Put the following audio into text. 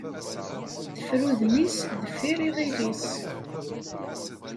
Teffer udem-is deffir iɣil-is.